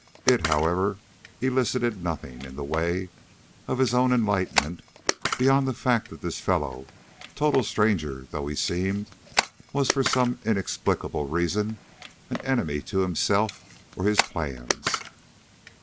It, however, elicited nothing in the way of his own enlightenment beyond the fact that this fellow, total stranger though he seemed, was for some inexplicable reason an enemy to himself or his plans.